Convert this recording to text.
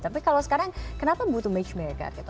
tapi kalau sekarang kenapa butuh matchmaker gitu